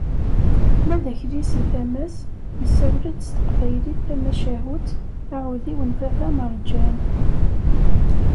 Ma d Akli seg tama-s, yessawel-d s Teqbaylit tamacahut “Aɛudiw n baba Merǧan."